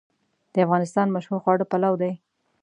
د افغانستان مشهور خواړه پلو دی